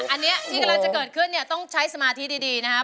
อันนี้ที่กำลังจะเกิดขึ้นเนี่ยต้องใช้สมาธิดีนะครับ